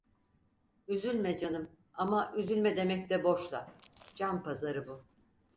Üzülme canım, ama üzülme demek de boş laf, can pazarı bu.